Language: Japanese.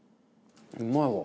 うまいわ。